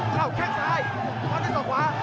เข้าแค่งซ้ายมาได้ส่องขวา